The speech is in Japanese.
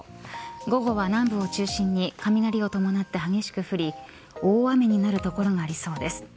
午後は南部を中心に雷を伴って激しく降り大雨になる所もありそうです。